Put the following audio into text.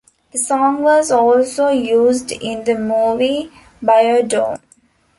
The song was also used in the movie "Bio-Dome".